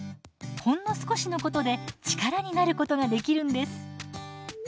ほんの少しのことで力になることができるんです。